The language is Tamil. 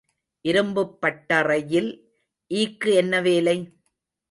இரும்புப் பட்டறையில் ஈக்கு என்ன வேலை?